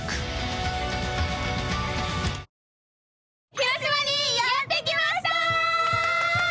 広島にやってきました！